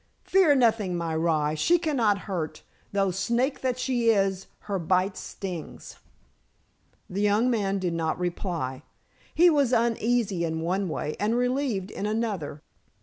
Fear nothing, my rye. She cannot hurt, though snake that she is, her bite stings." The young man did not reply. He was uneasy in one way and relieved in another.